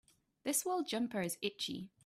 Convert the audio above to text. This wool jumper is itchy.